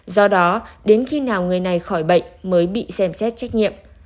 do đó đến khi nào người này khỏi bệnh mới bị xem xét trách nhiệm